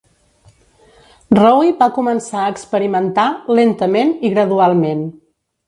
Rowe va començar a experimentar, lentament i gradualment.